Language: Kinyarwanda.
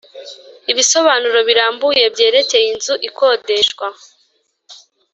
Ibisobanuro birambuye byerekeye inzu ikodeshwa